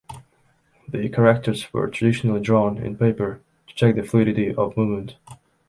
The characters were traditionally drawn in paper to check the fluidity of movement.